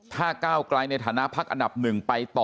ถ้าก้าวกลายในฐันนะภัคหนับ๑ไปต่อ